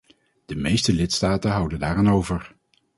De meeste lidstaten houden daar aan over.